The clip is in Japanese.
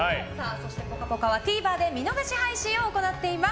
「ぽかぽか」はＴＶｅｒで見逃し配信を行っております。